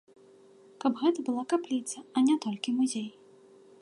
Каб гэта была капліца, а не толькі музей.